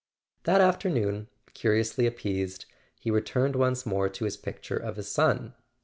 That afternoon, curiously appeased, he returned once more to his picture of his son.